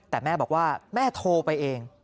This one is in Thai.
แต่แม่บอกว่าแม่โทรไปเอง